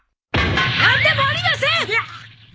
何でもありません！